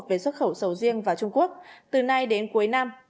về xuất khẩu sầu riêng vào trung quốc từ nay đến cuối năm